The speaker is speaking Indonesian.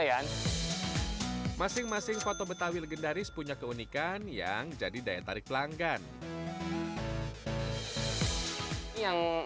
yang masing masing foto betawi legendaris punya keunikan yang jadi daya tarik pelanggan yang